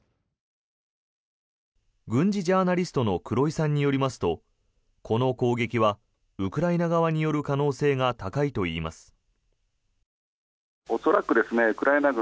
軍事ジャーナリストの黒井さんによりますとこの攻撃はウクライナ側による可能性が高いといいます。